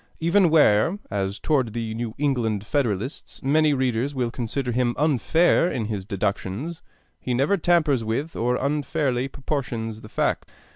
Even where, as toward the New England Federalists, many readers will consider him unfair in his deductions, he never tampers with or unfairly proportions the facts.